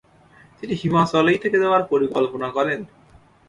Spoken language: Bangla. তিনি হিমাচলেই থেকে যাওয়ার পরিকল্পনা করেন ।